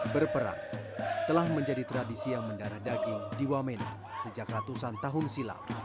berperang telah menjadi tradisi yang mendara daging di wamena sejak ratusan tahun silam